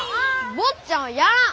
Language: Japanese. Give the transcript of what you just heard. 坊ちゃんはやらん！